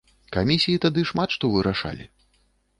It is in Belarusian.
Камісіі тады шмат што вырашалі.